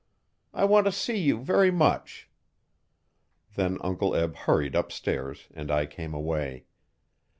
I want to see you very much.' Then Uncle Eb hurried upstairs and I came away.